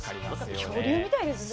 なんか恐竜みたいですね。